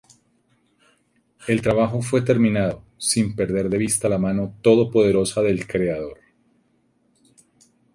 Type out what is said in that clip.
El trabajo fue terminado ""sin perder de vista la mano todopoderosa del Creador"".